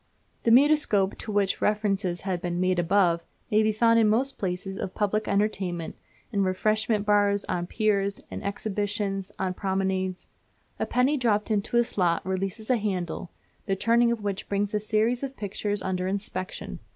The Mutoscope, to which reference has been made above, may be found in most places of public entertainment, in refreshment bars, on piers, in exhibitions, on promenades. A penny dropped into a slot releases a handle, the turning of which brings a series of pictures under inspection.